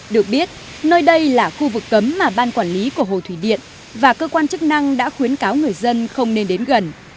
được biết nơi đây là khu vực cấm mà ban quản lý của hồ thủy điện và cơ quan chức năng đã khuyến cáo người dân không nên đến gần